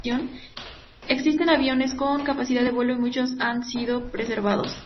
Existen aviones con capacidad de vuelo y muchos han sido preservados.